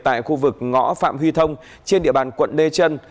tại khu vực ngõ phạm huy thông trên địa bàn quận lê trân